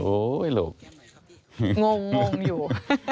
โอ้ยลูกงงอยู่